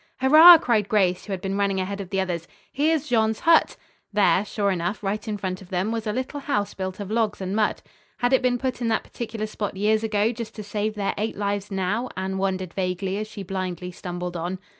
"Hurrah!" cried Grace, who had been running ahead of the others. "Here's Jean's hut!" There, sure enough, right in front of them, was a little house built of logs and mud. Had it been put in that particular spot years ago just to save their eight lives now? Anne wondered vaguely as she blindly stumbled on.